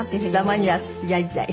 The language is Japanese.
たまにはやりたい？